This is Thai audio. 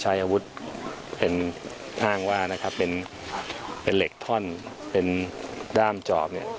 ใช้อาวุธเป็นอ้างว่านะครับเป็นเป็นเหล็กท่อนเป็นด้ามจอบเนี่ย